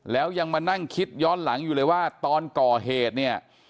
แล้วยังมานั่งคิดย้อนหลังอยู่เลยว่าตอนก่อเหตุเนี่ย